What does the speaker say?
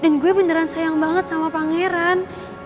dan gue beneran sayang banget sama pangeran